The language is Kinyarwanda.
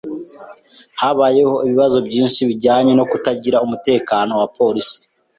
Habayeho ibibazo byinshi bijyanye no kutagira umutekano wa polisi